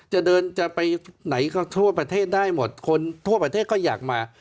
จะเดินจะไปไหนก็ทั่วประเทศได้หมดคนทั่วประเทศก็อยากมา